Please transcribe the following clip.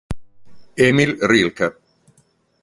Emil Rilke